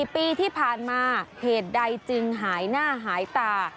๔ปีที่ผ่านมาเหตุใดจึงหายหน้าหายตา